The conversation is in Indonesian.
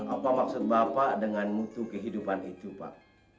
apa maksud bapak dengan mutu kehidupan itu pak